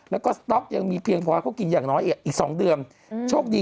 แล้วก็สต๊อกยังมีเพียงพอให้เขากินอย่างน้อยอีกสองเดือนอืมโชคดี